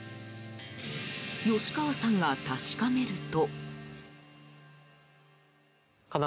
吉川さんが確かめると。